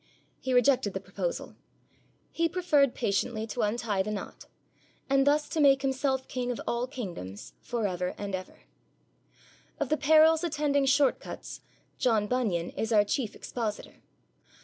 He rejected the proposal. He preferred patiently to untie the knot, and thus to make Himself king of all kingdoms for ever and for ever. Of the perils attending short cuts John Bunyan is our chief expositor.